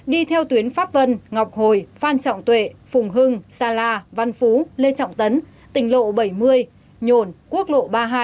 đi theo tuyến pháp vân ngọc hồi phan trọng tuệ phùng hưng sa la văn phú lê trọng tấn tỉnh lộ bảy mươi nhồn quốc lộ ba mươi hai